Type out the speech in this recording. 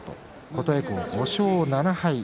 琴恵光、５勝７敗